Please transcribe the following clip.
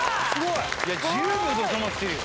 いや１０秒で収まってるよ。